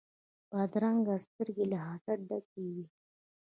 بدرنګه سترګې له حسده ډکې وي